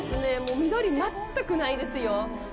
緑、全くないですよ。